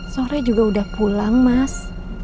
sore juga udah pulang mas